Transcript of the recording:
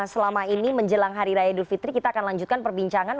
selama ini menjelang hari raya idul fitri kita akan lanjutkan perbincangan